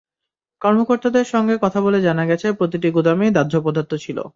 কর্মকর্তাদের সঙ্গে কথা বলে জানা গেছে, প্রতিটি গুদামেই দাহ্য পদার্থ ছিল।